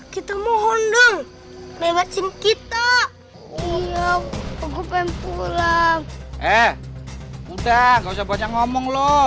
kita mohon dong melewati kita iya aku pengen pulang eh udah nggak usah banyak ngomong loh